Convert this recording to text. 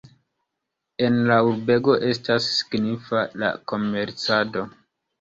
En la urbego estas signifa la komercado.